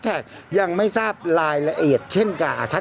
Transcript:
ไม่คร้านไม่ธรรมดาเอาไปหอมทำไม